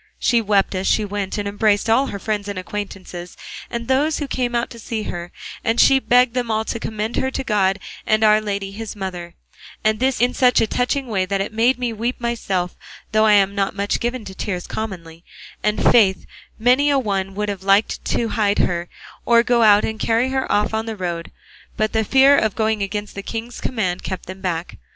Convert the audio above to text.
She wept as she went, and embraced all her friends and acquaintances and those who came out to see her, and she begged them all to commend her to God and Our Lady his mother, and this in such a touching way that it made me weep myself, though I'm not much given to tears commonly; and, faith, many a one would have liked to hide her, or go out and carry her off on the road; but the fear of going against the king's command kept them back.